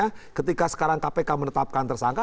karena ketika sekarang kpk menetapkan tersangka